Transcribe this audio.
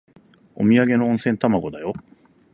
おみやげの温泉卵だよ。